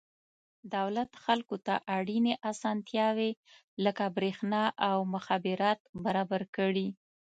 دولت خلکو ته اړینې اسانتیاوې لکه برېښنا او مخابرات برابر کړي.